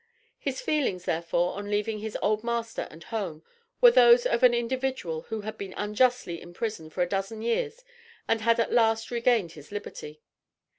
His feelings, therefore, on leaving his old master and home, were those of an individual who had been unjustly in prison for a dozen years and had at last regained his liberty.